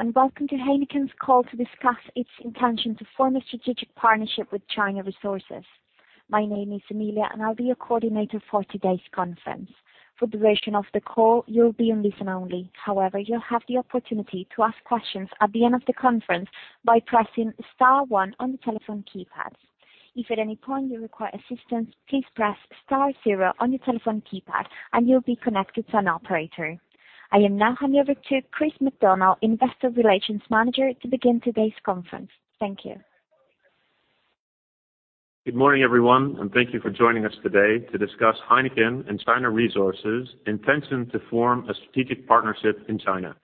Hello, and welcome to Heineken's call to discuss its intention to form a strategic partnership with China Resources. My name is Emilia, and I'll be your Coordinator for today's conference. For the duration of the call, you'll be on listen only. However, you'll have the opportunity to ask questions at the end of the conference by pressing star one on the telephone keypads. If at any point you require assistance, please press star zero on your telephone keypad and you'll be connected to an operator. I will now hand over to Chris MacDonald, Investor Relations Manager, to begin today's conference. Thank you. Good morning, everyone, and thank you for joining us today to discuss Heineken and China Resources' intention to form a strategic partnership in China.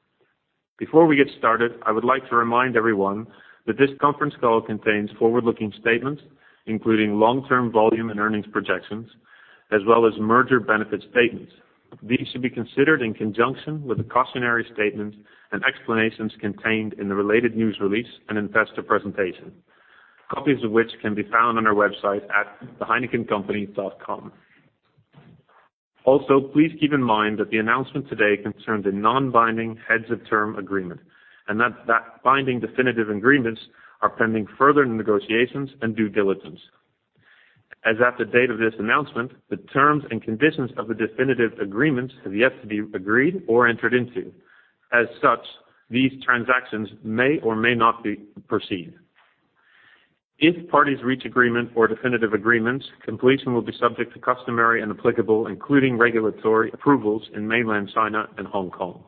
Before we get started, I would like to remind everyone that this conference call contains forward-looking statements, including long-term volume and earnings projections, as well as merger benefit statements. These should be considered in conjunction with the cautionary statements and explanations contained in the related news release and investor presentation, copies of which can be found on our website at theheinekencompany.com. Please keep in mind that the announcement today concerns a non-binding heads of term agreement, and that binding definitive agreements are pending further negotiations and due diligence. As at the date of this announcement, the terms and conditions of the definitive agreements have yet to be agreed or entered into. As such, these transactions may or may not proceed. If parties reach agreement or definitive agreements, completion will be subject to customary and applicable, including regulatory approvals in mainland China and Hong Kong.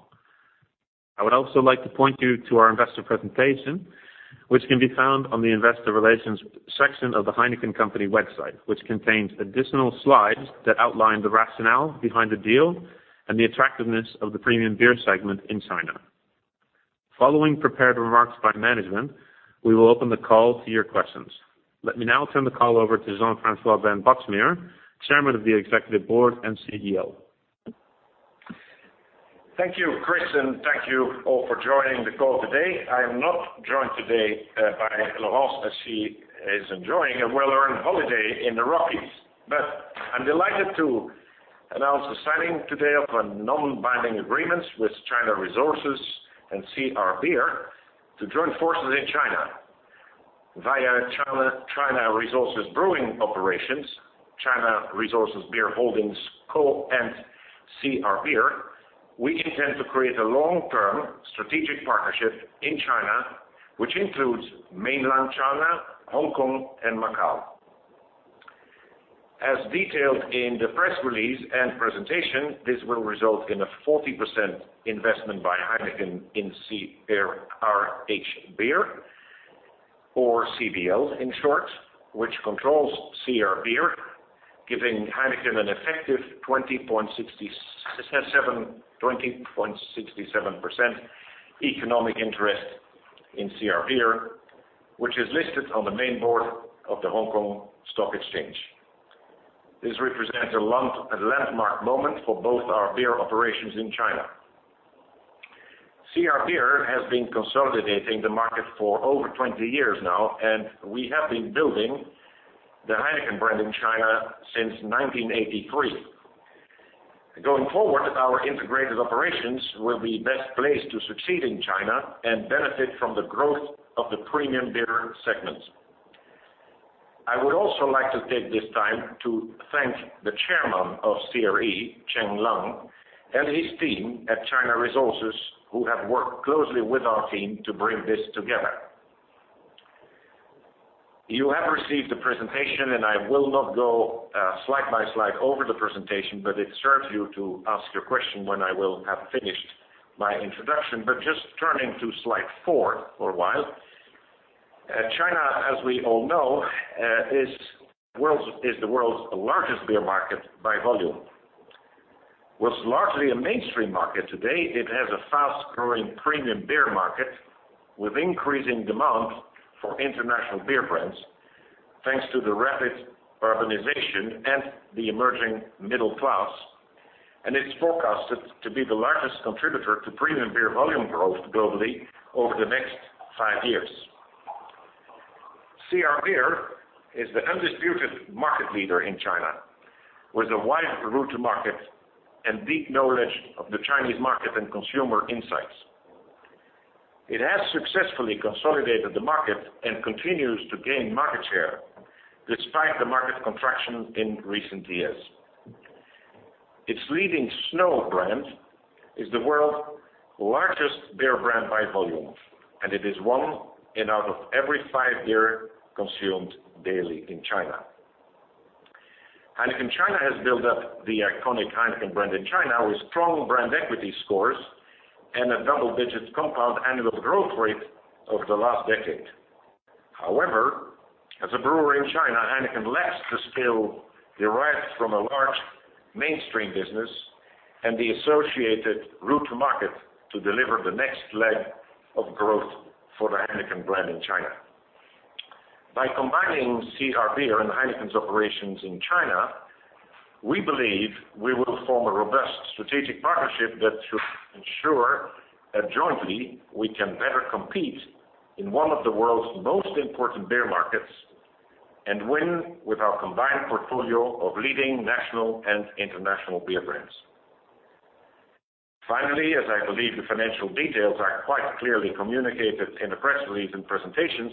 I would also like to point you to our investor presentation, which can be found on the investor relations section of the Heineken company website, which contains additional slides that outline the rationale behind the deal and the attractiveness of the premium beer segment in China. Following prepared remarks by management, we will open the call to your questions. Let me now turn the call over to Jean-François van Boxmeer, Chairman of the Executive Board and CEO. Thank you, Chris, and thank you all for joining the call today. I am not joined today by Laurence as she is enjoying a well-earned holiday in the Rockies. I'm delighted to announce the signing today of a non-binding agreement with China Resources and CR Beer to join forces in China via China Resources brewing operations, China Resources Beer Holdings Co. and CR Beer. We intend to create a long-term strategic partnership in China, which includes mainland China, Hong Kong and Macau. As detailed in the press release and presentation, this will result in a 40% investment by Heineken in CRH Beer, or CBL in short, which controls CR Beer, giving Heineken an effective 20.67% economic interest in CR Beer, which is listed on the main board of the Hong Kong Stock Exchange. This represents a landmark moment for both our beer operations in China. CR Beer has been consolidating the market for over 20 years now. We have been building the Heineken brand in China since 1983. Going forward, our integrated operations will be best placed to succeed in China and benefit from the growth of the premium beer segment. I would also like to take this time to thank the Chairman of CRE, Chen Lang, and his team at China Resources who have worked closely with our team to bring this together. You have received the presentation. I will not go slide by slide over the presentation, but it serves you to ask your question when I will have finished my introduction. Just turning to slide four for a while. China, as we all know, is the world's largest beer market by volume. China was largely a mainstream market, today it has a fast-growing premium beer market with increasing demand for international beer brands, thanks to the rapid urbanization and the emerging middle class, it's forecasted to be the largest contributor to premium beer volume growth globally over the next five years. CR Beer is the undisputed market leader in China, with a wide route to market and deep knowledge of the Chinese market and consumer insights. It has successfully consolidated the market and continues to gain market share despite the market contraction in recent years. Its leading Snow brand is the world's largest beer brand by volume, it is one out of every five beer consumed daily in China. Heineken China has built up the iconic Heineken brand in China with strong brand equity scores and a double-digit compound annual growth rate over the last decade. However, as a brewery in China, Heineken lacks the scale derived from a large mainstream business and the associated route to market to deliver the next leg of growth for the Heineken brand in China. By combining CR Beer and Heineken's operations in China, we believe we will form a robust strategic partnership that should ensure that jointly, we can better compete in one of the world's most important beer markets. Win with our combined portfolio of leading national and international beer brands. Finally, as I believe the financial details are quite clearly communicated in the press release and presentations,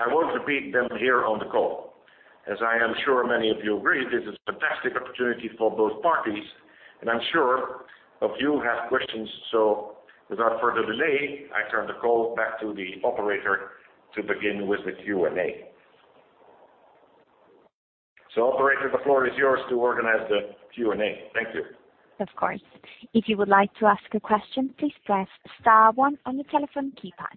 I won't repeat them here on the call. As I am sure many of you agree, this is a fantastic opportunity for both parties, and I'm sure a few have questions. Without further delay, I turn the call back to the operator to begin with the Q&A. Operator, the floor is yours to organize the Q&A. Thank you. Of course. If you would like to ask a question, please press star one on your telephone keypad.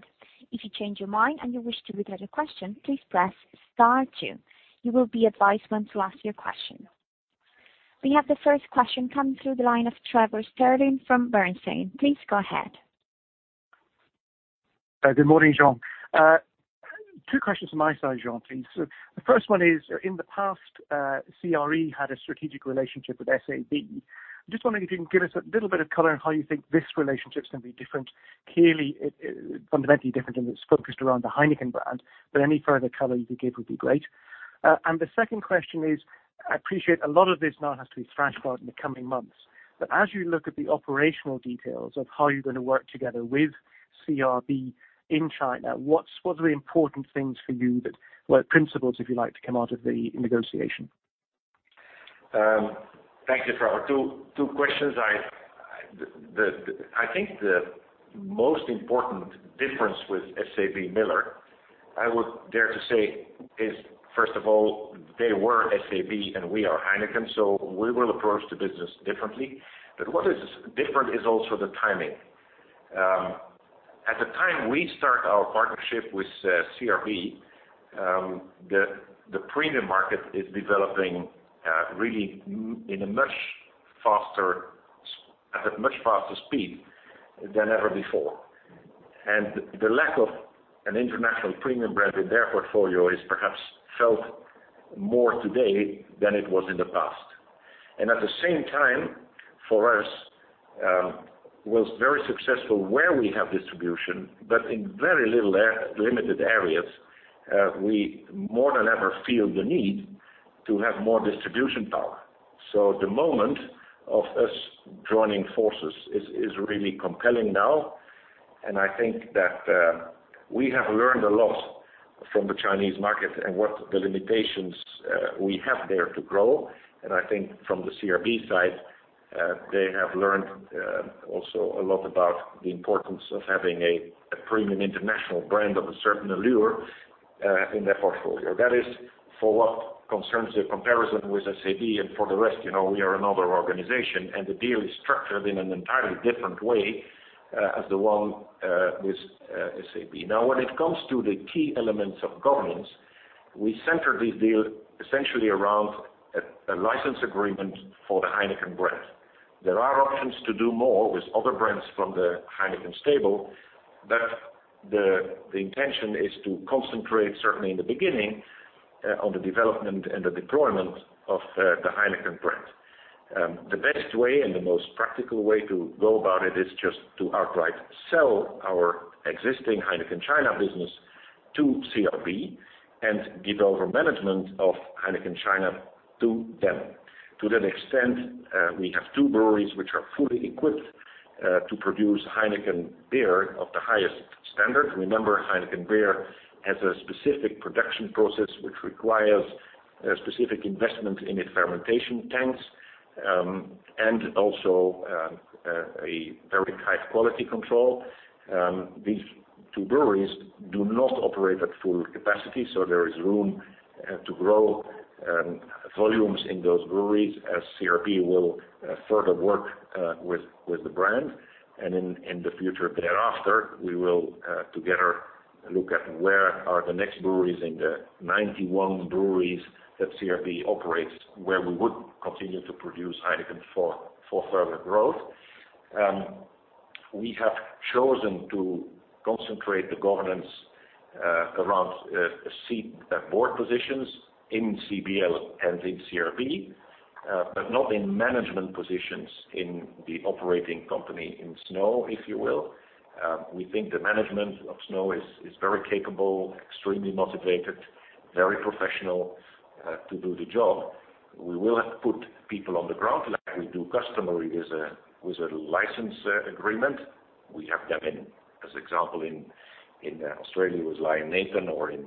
If you change your mind and you wish to withdraw your question, please press star two. You will be advised when to ask your question. We have the first question coming through the line of Trevor Stirling from Bernstein. Please go ahead. Good morning, Jean. Two questions on my side, Jean, please. The first one is, in the past, CRE had a strategic relationship with SAB. I am just wondering if you can give us a little bit of color on how you think this relationship is going to be different. Clearly, fundamentally different than was focused around the Heineken brand, but any further color you could give would be great. The second question is, I appreciate a lot of this now has to be thrashed out in the coming months. As you look at the operational details of how you are going to work together with CRB in China, what are the important things for you that were principles, if you like, to come out of the negotiation? Thank you, Trevor. Two questions. I think the most important difference with SABMiller, I would dare to say is, first of all, they were SAB and we are Heineken, we will approach the business differently. What is different is also the timing. At the time we start our partnership with CRB, the premium market is developing really at a much faster speed than ever before. The lack of an international premium brand in their portfolio is perhaps felt more today than it was in the past. At the same time, for us, was very successful where we have distribution, but in very limited areas. We more than ever feel the need to have more distribution power. The moment of us joining forces is really compelling now, and I think that we have learned a lot from the Chinese market and what the limitations we have there to grow. I think from the CRB side, they have learned also a lot about the importance of having a premium international brand of a certain allure in their portfolio. That is for what concerns the comparison with SAB and for the rest, we are another organization, the deal is structured in an entirely different way as the one with SAB. Now, when it comes to the key elements of governance, we center this deal essentially around a license agreement for the Heineken brand. There are options to do more with other brands from the Heineken stable, but the intention is to concentrate, certainly in the beginning, on the development and the deployment of the Heineken brand. The best way and the most practical way to go about it is just to outright sell our existing Heineken China business to CRB and give over management of Heineken China to them. To that extent, we have two breweries which are fully equipped to produce Heineken beer of the highest standard. Remember, Heineken beer has a specific production process which requires specific investment in its fermentation tanks and also a very high quality control. These two breweries do not operate at full capacity, so there is room to grow volumes in those breweries as CRB will further work with the brand. In the future thereafter, we will together look at where are the next breweries in the 91 breweries that CRB operates, where we would continue to produce Heineken for further growth. We have chosen to concentrate the governance around seat at board positions in CBL and in CRB but not in management positions in the operating company in Snow, if you will. We think the management of Snow is very capable, extremely motivated, very professional to do the job. We will have put people on the ground like we do customary with a license agreement. We have them in, as example in Australia with Lion Nathan or in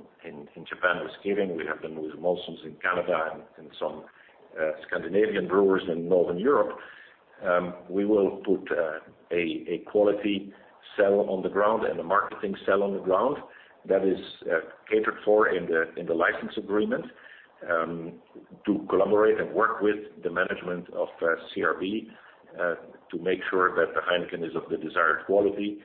Japan with Kirin. We have them with Molson in Canada and some Scandinavian brewers in Northern Europe. We will put a quality cell on the ground and a marketing cell on the ground that is catered for in the license agreement to collaborate and work with the management of CRB to make sure that the Heineken is of the desired quality,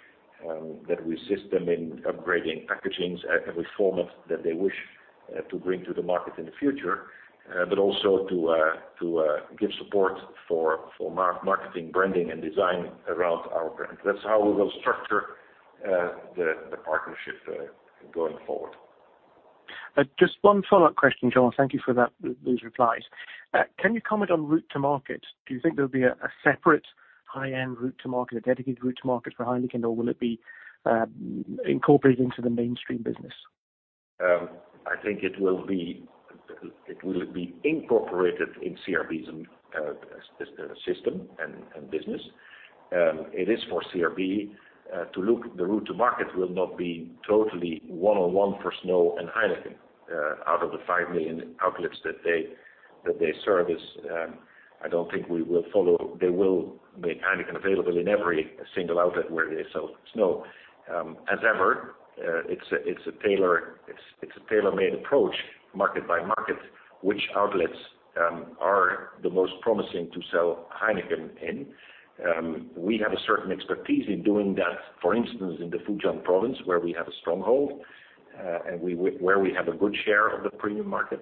that we assist them in upgrading packagings and every format that they wish to bring to the market in the future. Also to give support for marketing, branding, and design around our brand. That's how we will structure the partnership going forward. Just one follow-up question, Jean. Thank you for those replies. Can you comment on route to market? Do you think there'll be a separate high-end route to market, a dedicated route to market for Heineken, or will it be incorporated into the mainstream business? I think it will be incorporated in CR Beer's system and business. It is for CR Beer to look. The route to market will not be totally one-on-one for Snow and Heineken out of the 5 million outlets that they service. I don't think they will make Heineken available in every single outlet where they sell Snow. As ever, it's a tailor-made approach, market by market, which outlets are the most promising to sell Heineken in. We have a certain expertise in doing that. For instance, in the Fujian province, where we have a stronghold and where we have a good share of the premium market.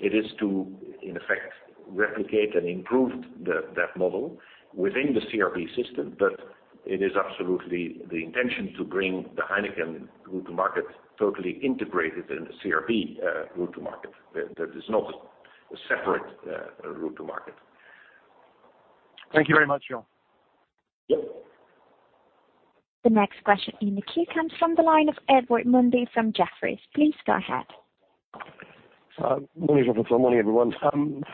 It is to, in effect, replicate and improve that model within the CR Beer system. But it is absolutely the intention to bring the Heineken route to market totally integrated in the CR Beer route to market. That is not a separate route to market. Thank you very much, Jean. Yep. The next question in the queue comes from the line of Edward Mundy from Jefferies. Please go ahead. Morning, Jean. Morning, everyone.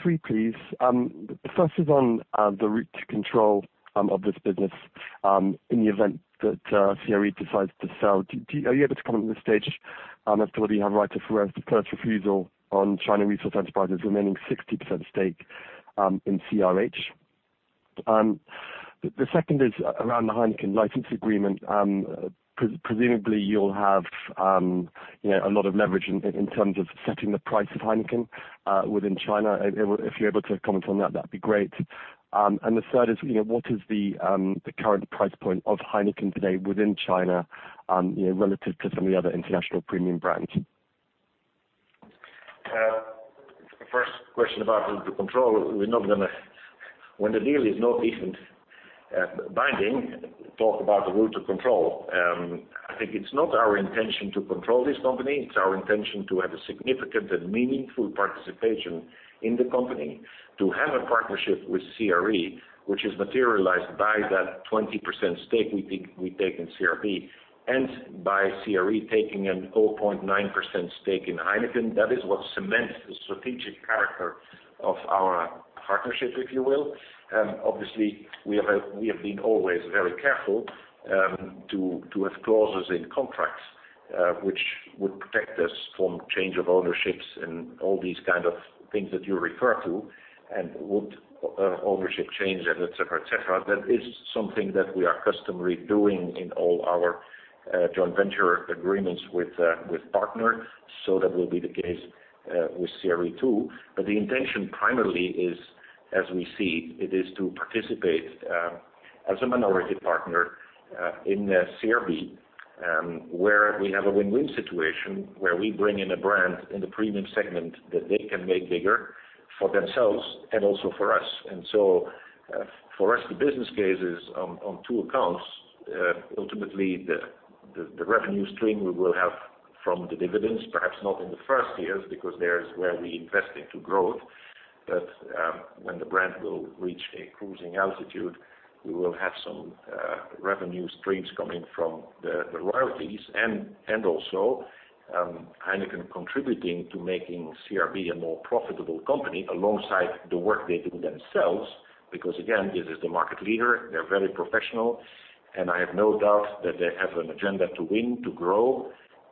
Three, please. The first is on the route to control of this business, in the event that CRE decides to sell. Are you able to comment on this stage as to whether you have right of first refusal on China Resources Enterprise remaining 60% stake in CRH? The second is around the Heineken license agreement. Presumably, you'll have a lot of leverage in terms of setting the price of Heineken within China. If you're able to comment on that'd be great. The third is, what is the current price point of Heineken today within China relative to some of the other international premium brands? The first question about route to control. When the deal is not even binding, talk about the route to control. I think it's not our intention to control this company. It's our intention to have a significant and meaningful participation in the company. To have a partnership with CRE, which is materialized by that 20% stake we take in CR Beer and by CRE taking an 0.9% stake in Heineken. That is what cements the strategic character of our partnership, if you will. Obviously, we have been always very careful to have clauses in contracts, which would protect us from change of ownerships and all these kind of things that you refer to and would ownership change and et cetera. That is something that we are customary doing in all our joint venture agreements with partners. That will be the case with CRE, too. The intention primarily is, as we see it, is to participate as a minority partner in CR Beer, where we have a win-win situation where we bring in a brand in the premium segment that they can make bigger for themselves and also for us. For us, the business case is on two accounts. Ultimately, the revenue stream we will have from the dividends, perhaps not in the first years because there's where we invest into growth. When the brand will reach a cruising altitude, we will have some revenue streams coming from the royalties and also Heineken contributing to making CR Beer a more profitable company alongside the work they do themselves. Because again, this is the market leader. They're very professional, I have no doubt that they have an agenda to win, to grow,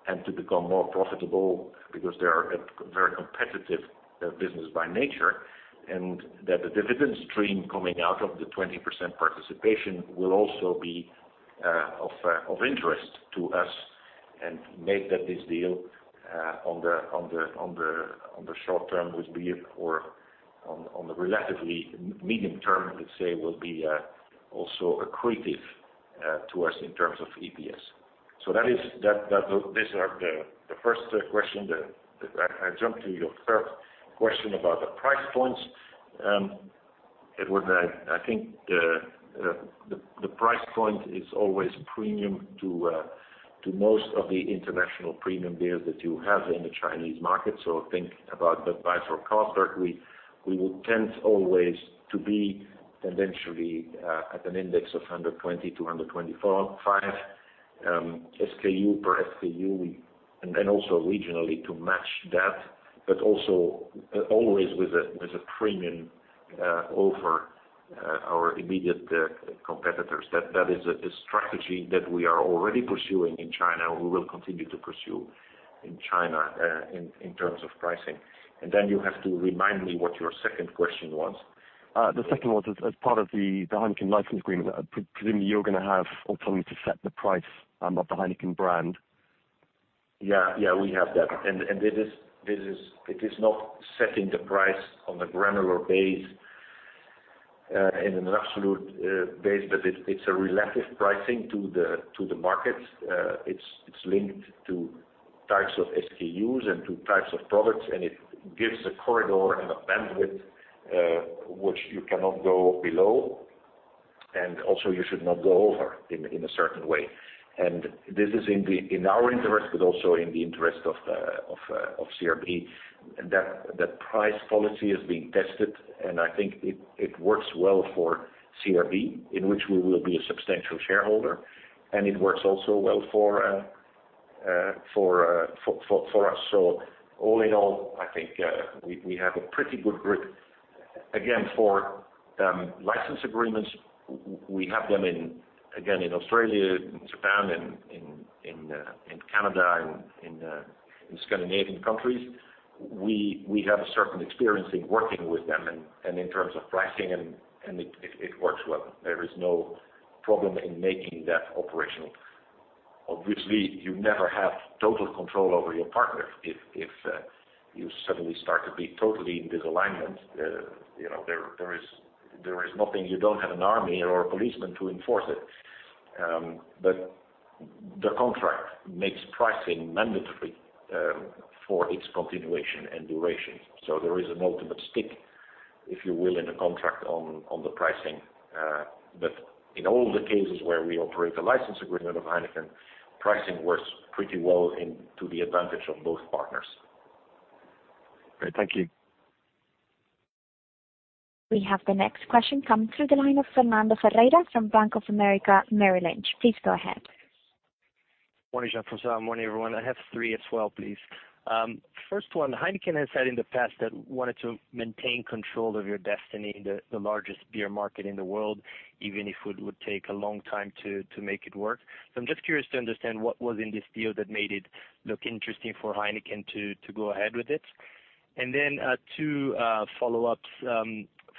and to become more profitable because they are a very competitive business by nature, and that the dividend stream coming out of the 20% participation will also be of interest to us and make that this deal on the short term would be, or on the relatively medium term, let's say, will be also accretive to us in terms of EPS. These are the first question. I jump to your third question about the price points. Edward, I think the price point is always premium to most of the international premium beers that you have in the Chinese market. Think about [Budweiser cost]. We will tend always to be potentially at an index of 120-125 SKU per SKU and also regionally to match that, also always with a premium over our immediate competitors. That is a strategy that we are already pursuing in China and we will continue to pursue in China in terms of pricing. You have to remind me what your second question was. The second was as part of the Heineken license agreement, presumably you're going to have autonomy to set the price of the Heineken brand. Yeah, we have that. It is not setting the price on a granular base in an absolute base, but it's a relative pricing to the market. It's linked to types of SKUs and to types of products, it gives a corridor and a bandwidth, which you cannot go below. Also you should not go over in a certain way. This is in our interest, but also in the interest of CRB. That price policy is being tested, and I think it works well for CRB, in which we will be a substantial shareholder, and it works also well for us. All in all, I think we have a pretty good grip. Again, for license agreements, we have them in Australia, in Japan, in Canada, in Scandinavian countries. We have a certain experience in working with them and in terms of pricing, it works well. There is no problem in making that operational. Obviously, you never have total control over your partner. If you suddenly start to be totally in disalignment, there is nothing, you don't have an army or a policeman to enforce it. The contract makes pricing mandatory for its continuation and duration. There is an ultimate stick, if you will, in the contract on the pricing. In all the cases where we operate a license agreement of Heineken, pricing works pretty well to the advantage of both partners. Great. Thank you. We have the next question come through the line of Fernando Ferreira from Bank of America Merrill Lynch. Please go ahead. Morning, Jean-François. Morning, everyone. I have three as well, please. First one, Heineken has said in the past that wanted to maintain control of your destiny, the largest beer market in the world, even if it would take a long time to make it work. I'm just curious to understand what was in this deal that made it look interesting for Heineken to go ahead with it. Two follow-ups.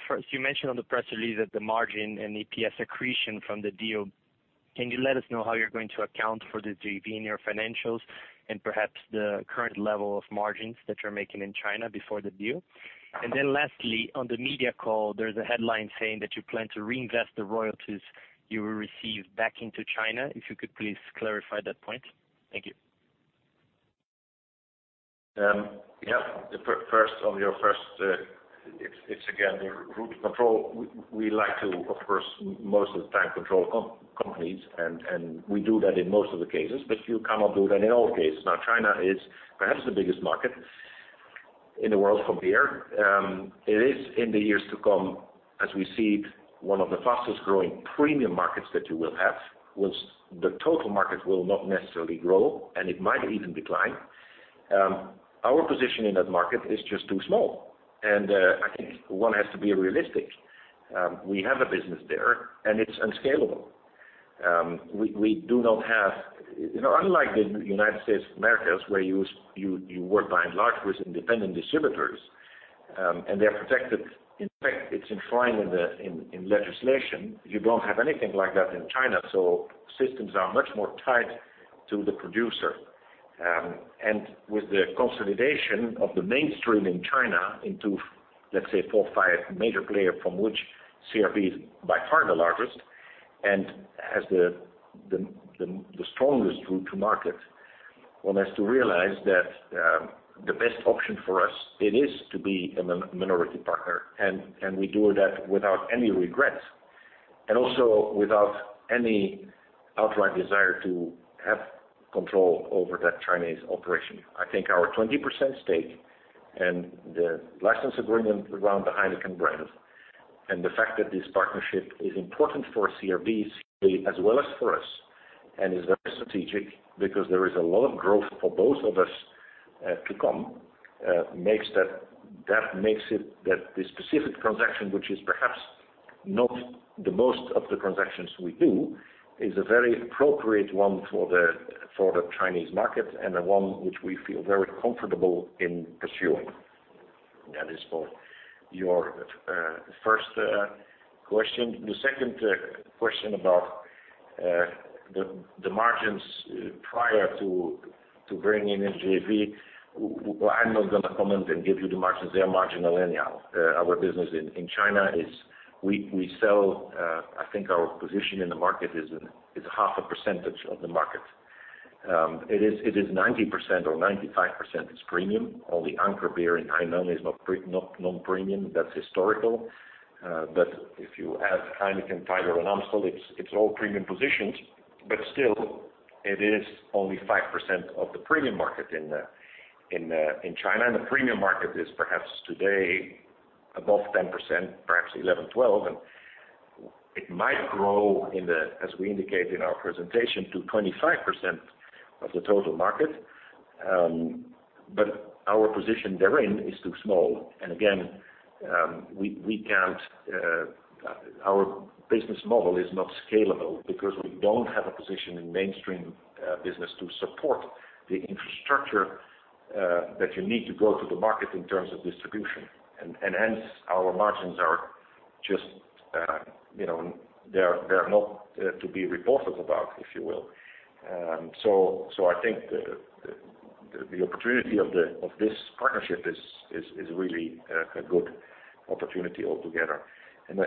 First, you mentioned on the press release that the margin and EPS accretion from the deal, can you let us know how you're going to account for the JV in your financials and perhaps the current level of margins that you're making in China before the deal? Lastly, on the media call, there's a headline saying that you plan to reinvest the royalties you will receive back into China. If you could please clarify that point. Thank you. Yeah. On your first, it's again, the route control. We like to, of course, most of the time, control companies, and we do that in most of the cases, but you cannot do that in all cases. Now, China is perhaps the biggest market in the world for beer. It is, in the years to come, as we see, one of the fastest growing premium markets that you will have. Whilst the total market will not necessarily grow, and it might even decline. Our position in that market is just too small. I think one has to be realistic. We have a business there, and it's unscalable. Unlike the United States of America, where you work by and large with independent distributors, and they're protected. In fact, it's enshrined in legislation. You don't have anything like that in China, systems are much more tied to the producer. With the consolidation of the mainstream in China into, let's say four, five major player from which CR Beer is by far the largest and has the strongest route to market. One has to realize that the best option for us, it is to be a minority partner, and we do that without any regrets and also without any outright desire to have control over that Chinese operation. I think our 20% stake and the license agreement around the Heineken brand and the fact that this partnership is important for CR Beer as well as for us and is very strategic because there is a lot of growth for both of us to come. That makes it that the specific transaction, which is perhaps not the most of the transactions we do, is a very appropriate one for the Chinese market and the one which we feel very comfortable in pursuing. That is for your first question. The second question about the margins prior to bring in a JV. Well, I am not going to comment and give you the margins. They are marginal anyhow. Our business in China is we sell I think our position in the market is 0.5% of the market. It is 90% or 95% is premium. Only Anchor Beer in Hainan is non-premium. That is historical. If you add Heineken, Tiger, and Amstel, it is all premium positions, but still, it is only 5% of the premium market in China. The premium market is perhaps today above 10%, perhaps 11%, 12%, and it might grow, as we indicate in our presentation, to 25% of the total market. Our position therein is too small. Again, our business model is not scalable because we don't have a position in mainstream business to support the infrastructure that you need to go to the market in terms of distribution. Hence, our margins are not to be reported about, if you will. I think the opportunity of this partnership is really a good opportunity altogether.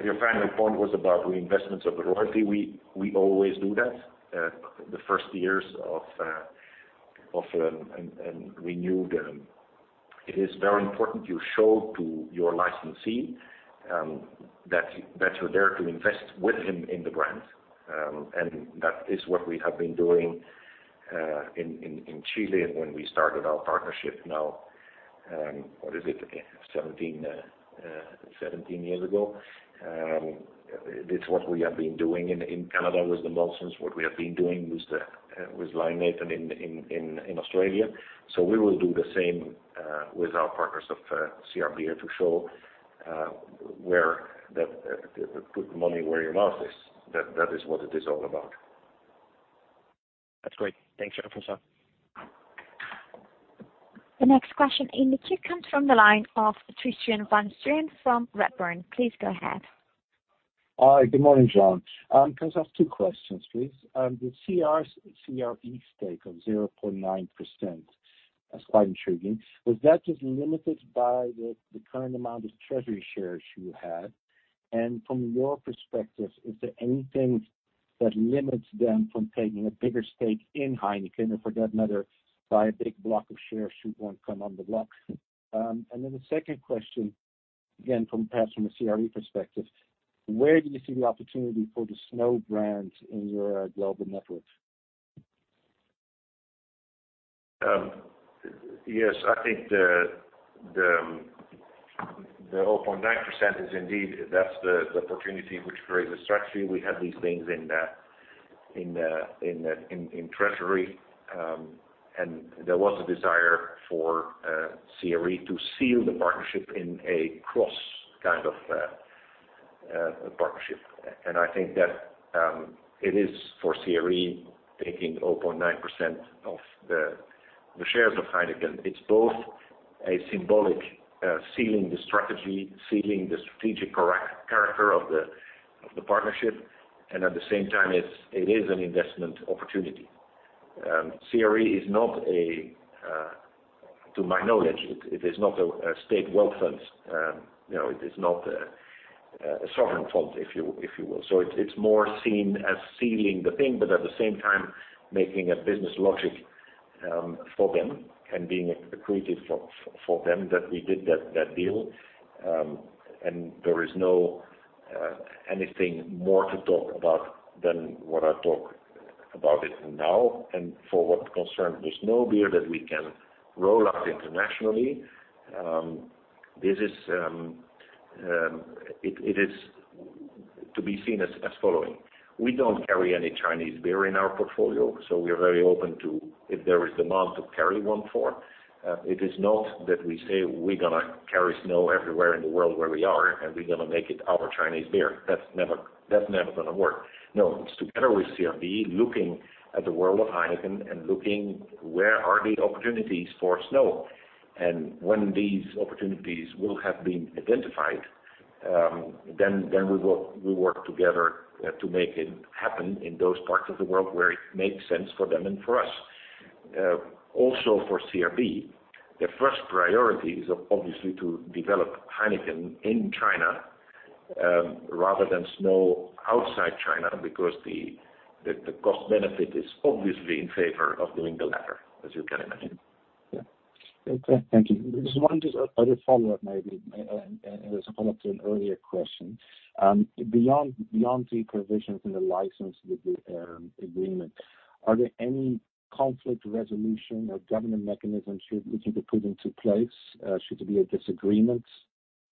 Your final point was about reinvestments of the royalty. We always do that. The first years of a renewed It is very important you show to your licensee that you're there to invest with him in the brand. That is what we have been doing in Chile when we started our partnership now, what is it again, 17 years ago. It's what we have been doing in Canada with the Molson, what we have been doing with Lion Nathan in Australia. We will do the same with our partners of CR Beer to show put money where your mouth is. That is what it is all about. That's great. Thanks, Jean-François. The next question in the queue comes from the line of Tristan van Strien from Redburn. Please go ahead. Hi, good morning, Jean. Can I ask two questions, please? The CRE stake of 0.9%, that's quite intriguing. Was that just limited by the current amount of treasury shares you had? From your perspective, is there anything that limits them from taking a bigger stake in Heineken, or for that matter, buy a big block of shares should one come on the block? The second question, again, perhaps from a CRE perspective, where do you see the opportunity for the Snow brand in your global network? Yes, I think the 0.9% is indeed, that's the opportunity which creates a strategy. We have these things in treasury. There was a desire for CRE to seal the partnership in a cross kind of partnership. I think that it is for CRE taking 0.9% of the shares of Heineken. It's both a symbolic sealing the strategy, sealing the strategic character of the partnership, and at the same time, it is an investment opportunity. CRE, to my knowledge, it is not a state wealth fund. It is not a sovereign fund, if you will. It's more seen as sealing the thing, but at the same time, making a business logic for them and being accretive for them that we did that deal. There is no anything more to talk about than what I talk about it now. For what concern the Snow beer that we can roll out internationally, it is to be seen as following. We don't carry any Chinese beer in our portfolio, so we are very open to if there is demand to carry one for. It is not that we say we're going to carry Snow everywhere in the world where we are, and we're going to make it our Chinese beer. That's never going to work. No, it's together with CRE, looking at the world of Heineken and looking where are the opportunities for Snow. When these opportunities will have been identified, then we work together to make it happen in those parts of the world where it makes sense for them and for us. For CRE, their first priority is obviously to develop Heineken in China rather than Snow outside China, because the cost benefit is obviously in favor of doing the latter, as you can imagine. Yeah. Okay, thank you. Just one other follow-up, maybe, as a follow-up to an earlier question. Beyond the provisions in the license agreement, are there any conflict resolution or governing mechanisms which will be put into place should there be a disagreement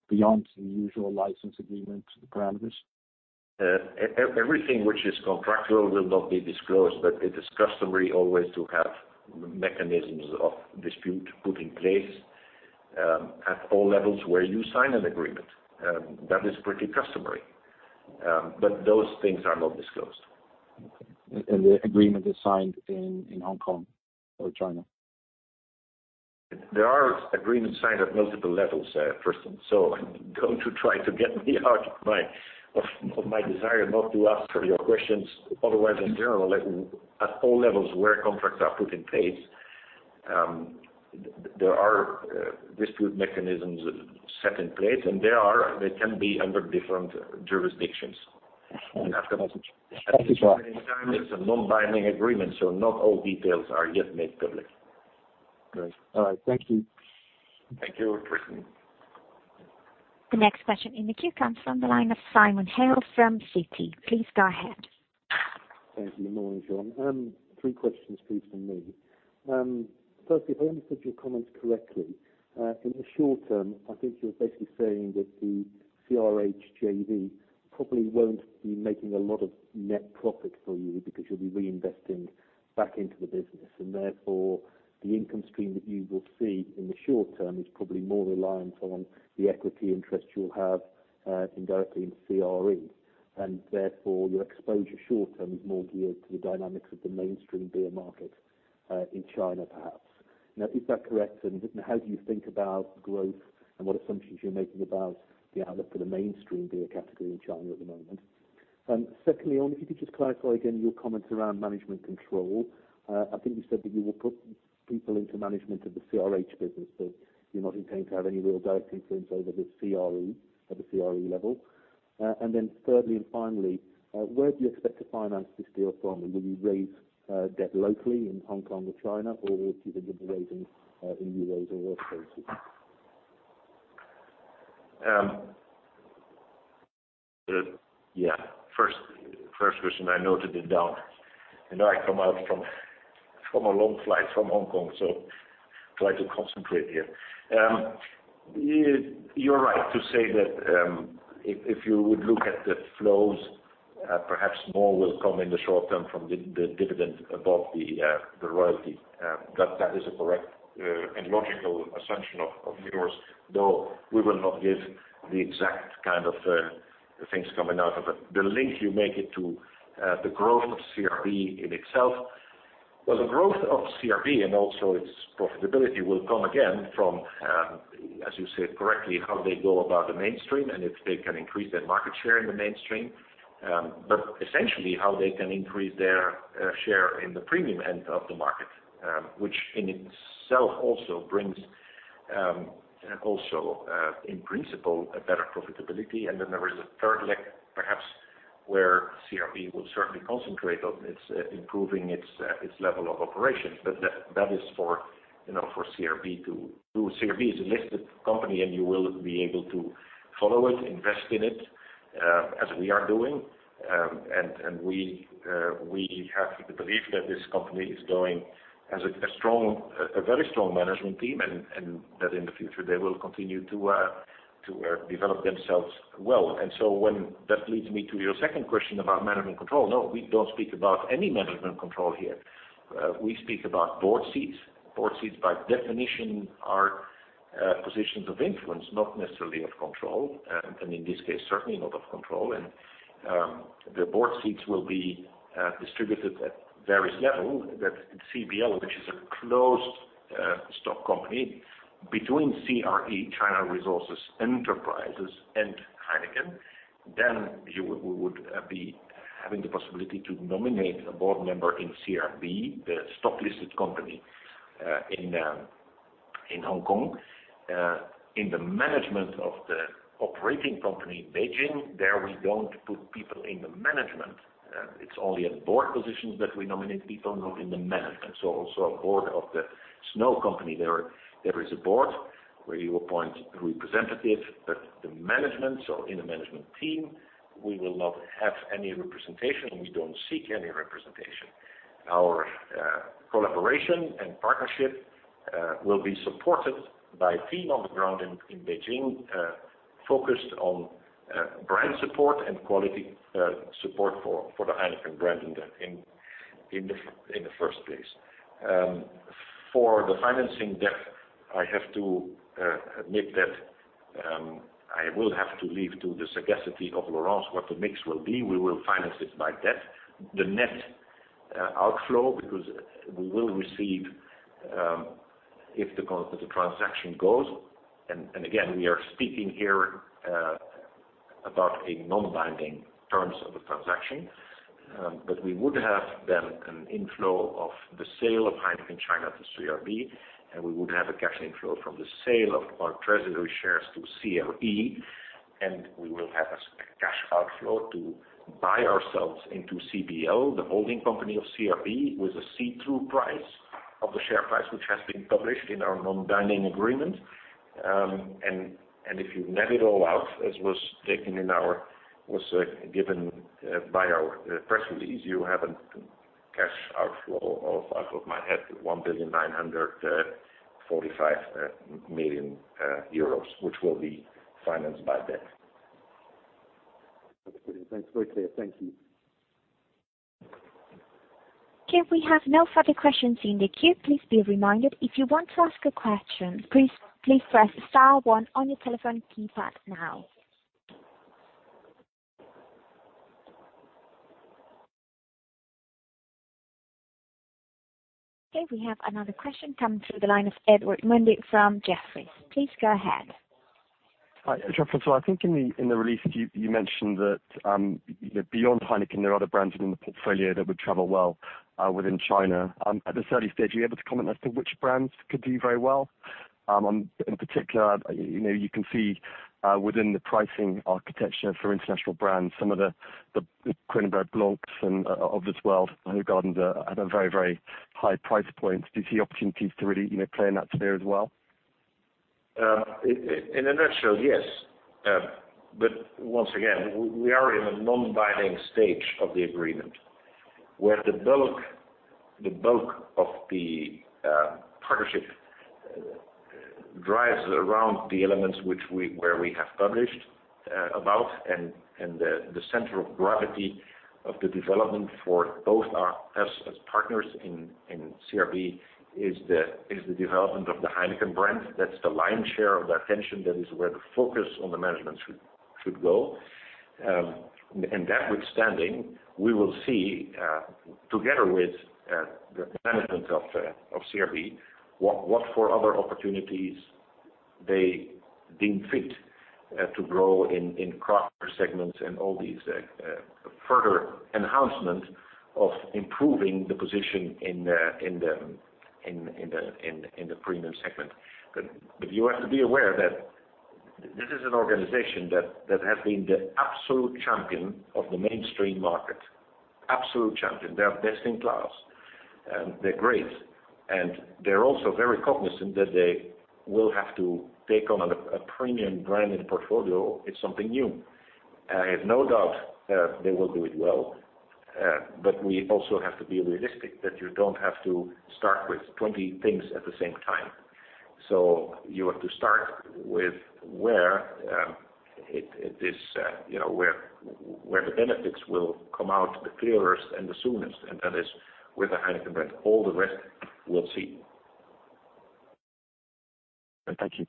beyond the usual license agreement parameters? Everything which is contractual will not be disclosed, it is customary always to have mechanisms of dispute put in place at all levels where you sign an agreement. That is pretty customary. Those things are not disclosed. Okay. The agreement is signed in Hong Kong or China? There are agreements signed at multiple levels, Tristan. I'm going to try to get me out of my desire not to answer your questions. Otherwise, in general, at all levels where contracts are put in place, there are dispute mechanisms set in place, and they can be under different jurisdictions. Okay. That's helpful. Thank you, Jean. At the same time, it's a non-binding agreement, so not all details are yet made public. Great. All right. Thank you. Thank you, Tristan. The next question in the queue comes from the line of Simon Hales from Citi. Please go ahead. Thank you. Good morning, Jean. Three questions, please, from me. Firstly, if I understood your comments correctly, in the short term, I think you were basically saying that the CRH JV probably won't be making a lot of net profit for you because you'll be reinvesting back into the business. Therefore, the income stream that you will see in the short term is probably more reliant on the equity interest you'll have indirectly in CRE. Therefore, your exposure short term is more geared to the dynamics of the mainstream beer market in China, perhaps. Now, is that correct? How do you think about growth and what assumptions you're making about the outlook for the mainstream beer category in China at the moment? Secondly, if you could just clarify again your comments around management control. I think you said that you will put people into management of the CRH business, but you're not intending to have any real direct influence at the CRE level. Thirdly and finally, where do you expect to finance this deal from? Will you raise debt locally in Hong Kong or China, or do you think you'll be raising in U.S. or other places? First question, I noted it down. I come out from a long flight from Hong Kong, try to concentrate here. You're right to say that if you would look at the flows, perhaps more will come in the short term from the dividend above the royalty. That is a correct and logical assumption of yours, though we will not give the exact kind of things coming out of it. The link you make it to the growth of CRB in itself. The growth of CRB and also its profitability will come again from, as you said correctly, how they go about the mainstream and if they can increase their market share in the mainstream. Essentially, how they can increase their share in the premium end of the market, which in itself also brings, in principle, a better profitability. There is a third leg, perhaps, where CRB will certainly concentrate on improving its level of operations. That is for CRB to do. CRB is a listed company, you will be able to follow it, invest in it, as we are doing. We have the belief that this company has a very strong management team, that in the future they will continue to develop themselves well. That leads me to your second question about management control. No, we don't speak about any management control here. We speak about board seats. Board seats by definition are positions of influence, not necessarily of control, and in this case, certainly not of control. The board seats will be distributed at various level that CBO, which is a closed stock company between CRE, China Resources Enterprise and Heineken, we would be having the possibility to nominate a board member in CRB, the stock listed company in Hong Kong. In the management of the operating company in Beijing, there we don't put people in the management. It's only at board positions that we nominate people, not in the management. Also our board of the Snow company there is a board where you appoint a representative, but the management, in the management team, we will not have any representation. We don't seek any representation. Our collaboration and partnership will be supported by a team on the ground in Beijing, focused on brand support and quality support for the Heineken brand in the first place. For the financing debt, I have to admit that I will have to leave to the sagacity of Laurence what the mix will be. We will finance it by debt, the net outflow, because we will receive, if the transaction goes, again, we are speaking here about a non-binding terms of the transaction. We would have then an inflow of the sale of Heineken China to CRB, and we would have a cash inflow from the sale of our treasury shares to CRE, and we will have a cash outflow to buy ourselves into CBL, the holding company of CRB, with a see-through price of the share price, which has been published in our non-binding agreement. If you net it all out, as was given by our press release, you have a cash outflow of, out of my head, 1.945 billion euros, which will be financed by debt. Thanks very clear. Thank you. We have no further questions in the queue. Please be reminded, if you want to ask a question, please press star one on your telephone keypad now. We have another question coming through the line of Edward Mundy from Jefferies. Please go ahead. Hi, Jean-François. I think in the release you mentioned that beyond Heineken, there are other brands within the portfolio that would travel well within China. At this early stage, are you able to comment as to which brands could do very well? In particular, you can see within the pricing architecture for international brands, some of the Kronenbourg Blanc of this world, Heineken are at a very high price point. Do you see opportunities to really play in that space as well? In a nutshell, yes. Once again, we are in a non-binding stage of the agreement, where the bulk of the partnership drives around the elements we have published about, and the center of gravity of the development for both us as partners in CRB is the development of the Heineken brand. That's the lion's share of the attention. That is where the focus on the management should go. That withstanding, we will see, together with the management of CRB, what for other opportunities they deem fit to grow in craft segments and all these further enhancement of improving the position in the premium segment. You have to be aware that this is an organization that has been the absolute champion of the mainstream market. Absolute champion. They are best in class, and they're great. They're also very cognizant that they will have to take on a premium branded portfolio. It's something new. I have no doubt that they will do it well. We also have to be realistic that you don't have to start with 20 things at the same time. You have to start with where the benefits will come out the clearest and the soonest, and that is with the Heineken brand. All the rest, we'll see. Thank you.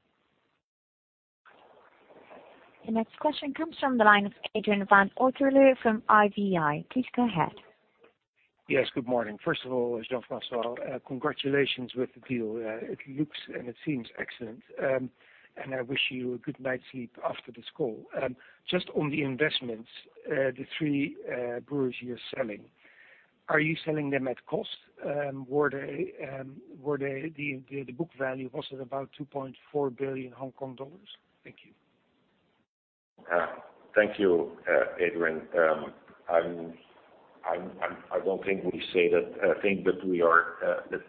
The next question comes from the line of Adriaan de van Otterloo from IVI. Please go ahead. Yes, good morning. First of all, Jean-François, congratulations with the deal. It looks and it seems excellent. I wish you a good night's sleep after this call. Just on the investments, the three breweries you're selling, are you selling them at cost? Were they the book value was at about 2.4 billion Hong Kong dollars? Thank you. Thank you, Adriaan. I don't think we say that.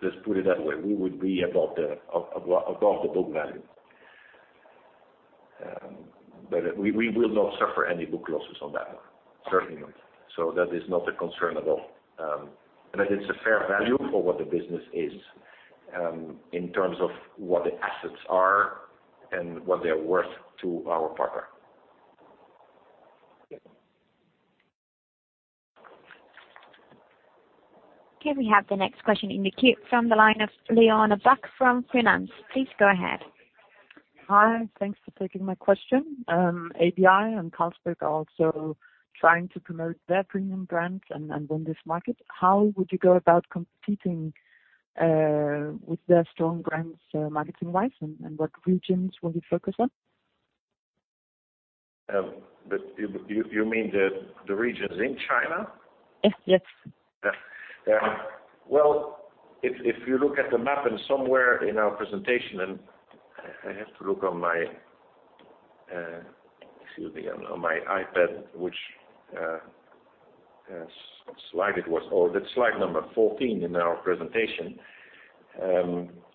Let's put it that way. We would be above the book value. We will not suffer any book losses on that one, certainly not. That is not a concern at all. It's a fair value for what the business is in terms of what the assets are and what they're worth to our partner. Okay, we have the next question in the queue from the line of Liana Buck from Finance. Please go ahead. Hi, thanks for taking my question. ABI and Carlsberg are also trying to promote their premium brands and win this market. How would you go about competing with their strong brands marketing wise, and what regions will you focus on? You mean the regions in China? Yes. Well, if you look at the map and somewhere in our presentation, I have to look on my iPad, which slide it was. That's slide number 14 in our presentation.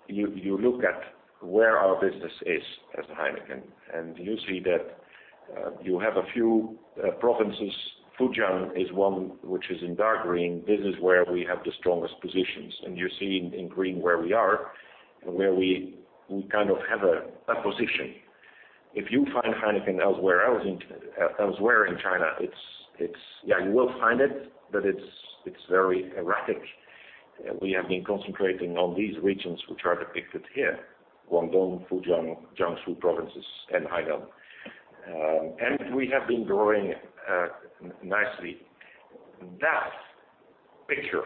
You look at where our business is as Heineken, and you see that you have a few provinces. Fujian is one, which is in dark green. This is where we have the strongest positions, and you see in green where we are and where we kind of have a position. If you find Heineken elsewhere in China, you will find it, but it's very erratic. We have been concentrating on these regions, which are depicted here, Guangdong, Fujian, Jiangsu provinces, and Hainan. We have been growing nicely. That picture,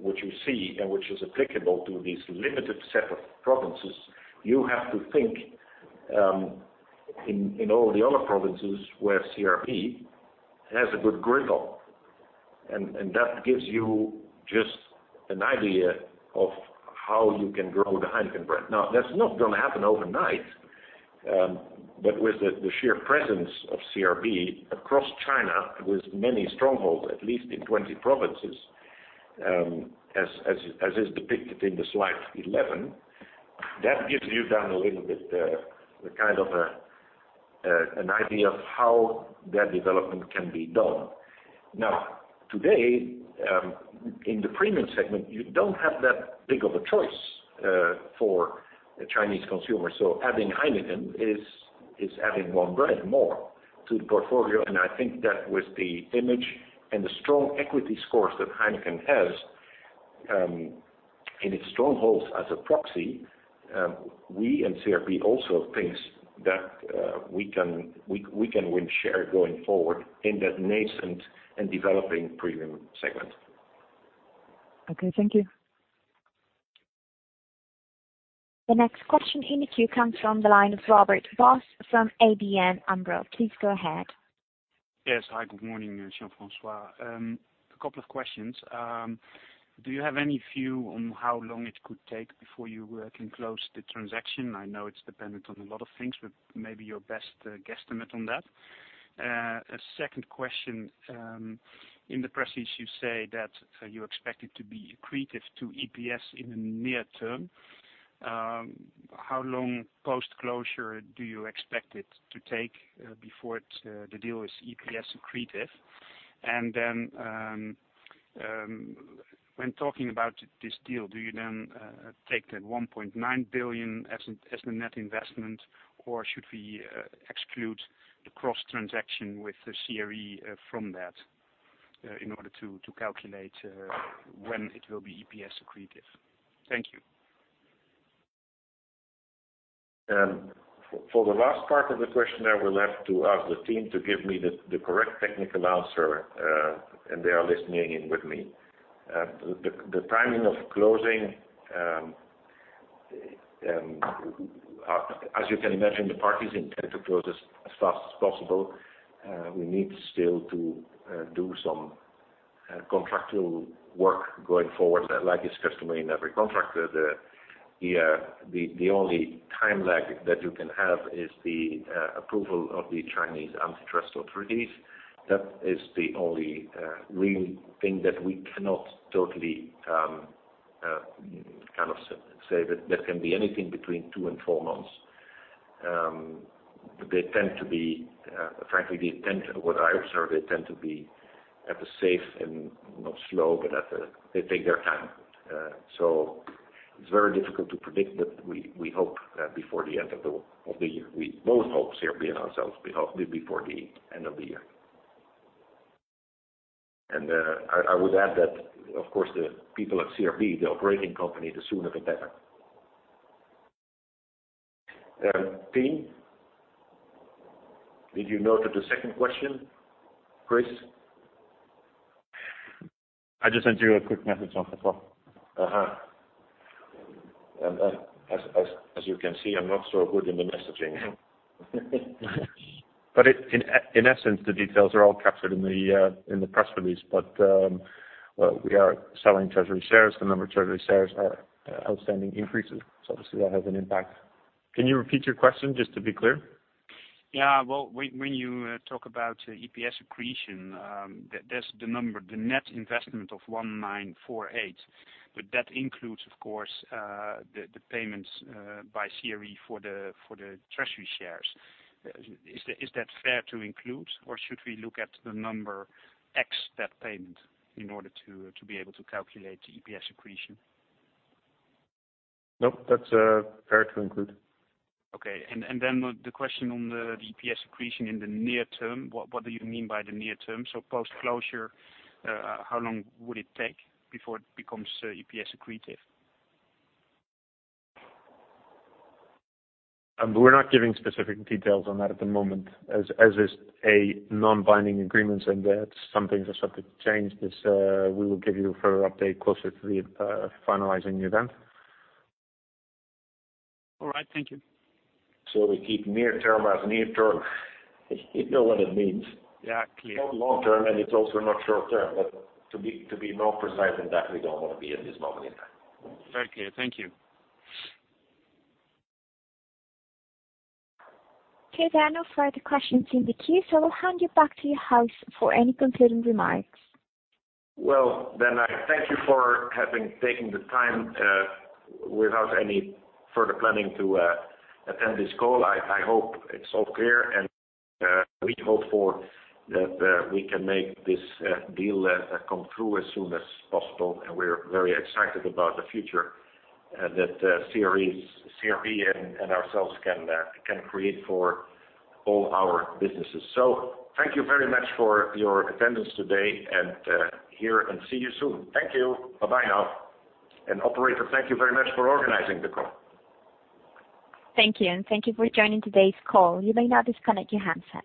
which you see and which is applicable to these limited set of provinces, you have to think in all the other provinces where CRB has a good grip of. That gives you just an idea of how you can grow the Heineken brand. Now, that's not going to happen overnight. With the sheer presence of CRB across China, with many strongholds, at least in 20 provinces, as is depicted in the slide 11, that gives you then a little bit the kind of an idea of how that development can be done. Now, today, in the premium segment, you don't have that big of a choice for the Chinese consumer. Adding Heineken is adding one brand more to the portfolio, and I think that with the image and the strong equity scores that Heineken has in its strongholds as a proxy, we and CRB also thinks that we can win share going forward in that nascent and developing premium segment. Okay, thank you. The next question in the queue comes from the line of Robert Jan Vos from ABN AMRO. Please go ahead. Yes. Hi, good morning, Jean-François. A couple of questions. Do you have any view on how long it could take before you can close the transaction? I know it's dependent on a lot of things, but maybe your best guesstimate on that. A second question. In the press release, you say that you expect it to be accretive to EPS in the near term. How long post-closure do you expect it to take before the deal is EPS accretive? When talking about this deal, do you then take that 1.9 billion as the net investment, or should we exclude the cross transaction with the CRE from that in order to calculate when it will be EPS accretive? Thank you. For the last part of the question, I will have to ask the team to give me the correct technical answer, and they are listening in with me. The timing of closing. As you can imagine, the parties intend to close as fast as possible. We need still to do some contractual work going forward, like is customary in every contract. The only time lag that you can have is the approval of the Chinese antitrust authorities. That is the only real thing that we cannot totally say, but that can be anything between two and four months. Frankly, what I observe, they tend to be at the safe and, not slow, but they take their time. It's very difficult to predict, but we hope before the end of the year. We both hope, CRB and ourselves, we hope will be before the end of the year. I would add that, of course, the people at CRB, the operating company, the sooner the better. Pim, did you note the second question? Chris? I just sent you a quick message on the phone. As you can see, I'm not so good in the messaging. In essence, the details are all captured in the press release. We are selling treasury shares. The number of treasury shares are outstanding increases, so obviously that has an impact. Can you repeat your question just to be clear? Yeah. When you talk about EPS accretion, there's the number, the net investment of 1.945 billion, but that includes, of course, the payments by CRB for the treasury shares. Is that fair to include, or should we look at the number x that payment in order to be able to calculate EPS accretion? Nope, that's fair to include. Okay. The question on the EPS accretion in the near term, what do you mean by the near term? Post-closure, how long would it take before it becomes EPS accretive? We're not giving specific details on that at the moment as it's a non-binding agreement and that some things are subject to change. We will give you a further update closer to the finalizing event. All right. Thank you. We keep near term as near term. You know what it means. Yeah, clear. It's not long term, and it's also not short term, but to be more precise than that, we don't want to be at this moment in time. Very clear. Thank you. There are no further questions in the queue, I will hand you back to you, Jean, for any concluding remarks. I thank you for having taken the time without any further planning to attend this call. I hope it's all clear, and we hope for that we can make this deal come through as soon as possible. We're very excited about the future that CRB and ourselves can create for all our businesses. Thank you very much for your attendance today and here, and see you soon. Thank you. Bye-bye now. Operator, thank you very much for organizing the call. Thank you. Thank you for joining today's call. You may now disconnect your handset.